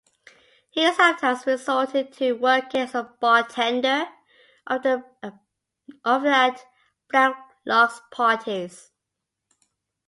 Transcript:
He sometimes resorted to working as a bartender, often at Blalock's parties.